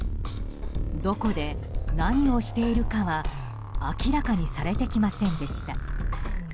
どこで何をしているかは明らかにされてきませんでした。